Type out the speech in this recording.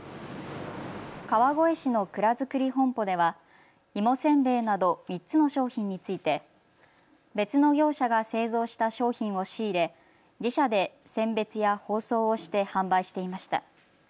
川越市のくらづくり本舗では芋せんべいなど３つの商品について別の業者が製造した商品を仕入れ自社で選別や包装をして販売していました。